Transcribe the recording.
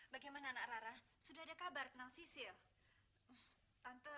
jalan kung jalan se di sini ada pesta besar besaran